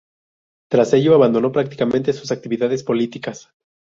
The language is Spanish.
Tras ello abandonó prácticamente sus actividades políticas.